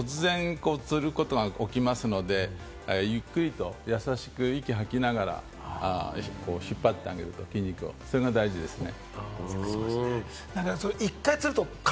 突然つることが起きますので、ゆっくりと優しく息を吐きながら引っ張ってあげる、それが大事ですね。